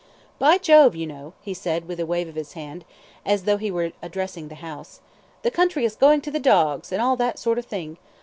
"By Jove, you know," he said, with a wave of his hand, as though he were addressing the House; "the country is going to the dogs, and all that sort of thing.